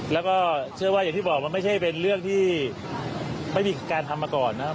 แล้วก็เชื่อว่าอย่างที่บอกมันไม่ใช่เป็นเรื่องที่ไม่มีการทำมาก่อนนะครับ